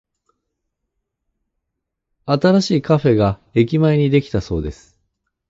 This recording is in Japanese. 新しいカフェが駅前にできたそうです。